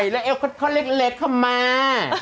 แล้วเอวเขาเล็กเข้ามา